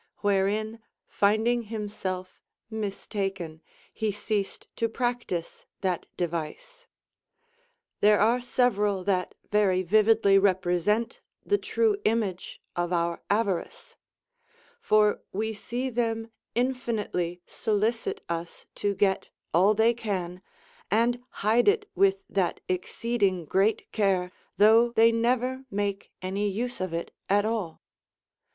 wherein, finding himself mistaken, he ceased to practise that device. There are several that very vividly represent the true image of our avarice; for we see them infinitely solicitus to get all they can, and hide it with that exceeding great care, though they never make any use of it at all.